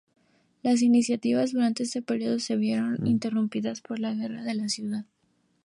Las iniciativas durante este periodo se vieron interrumpidas por la Guerra Civil.